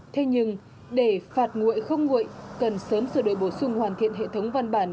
thế nhưng để phạt nguội không nguội cần sớm sửa đổi bổ sung hoàn thiện hệ thống văn bản